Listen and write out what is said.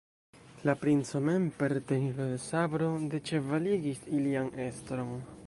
La princo mem per tenilo de sabro deĉevaligis ilian estron.